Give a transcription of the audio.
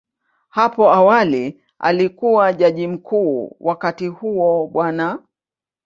Hapo awali alikuwa Jaji Mkuu, wakati huo Bw.